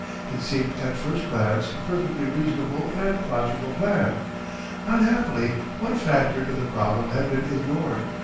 It seemed at first glance a perfectly reasonable and logical plan. Unhappily one factor in the problem had been ignored.